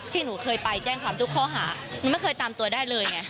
หนูเคยไปแจ้งความทุกข้อหาหนูไม่เคยตามตัวได้เลยไง